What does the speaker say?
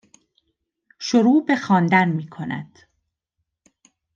شروع به خواندن می کند